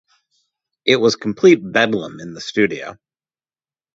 It was complete bedlam in the studio.